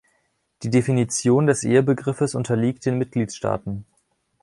Die Definition des Ehebegriffes unterliegt den Mitgliedstaaten.